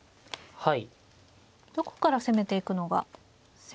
はい。